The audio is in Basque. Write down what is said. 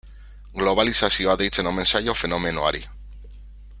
Globalizazioa deitzen omen zaio fenomenoari.